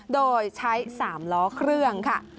โดยใช้๓ล้อเครื่องค่ะ